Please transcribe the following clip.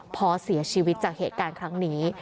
พอเสียชีวิตจากเหตุการณ์ครั้งนี้